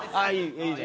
いいね。